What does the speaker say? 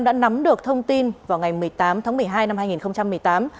đã nắm được thông tin vào ngày một mươi tám tháng một mươi hai năm hai nghìn một mươi tám